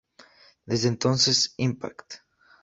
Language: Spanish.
Desde entonces, "Impact!